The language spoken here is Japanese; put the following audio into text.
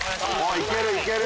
いけるいける！